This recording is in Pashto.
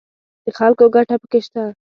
د خلکو ګټه پکې شته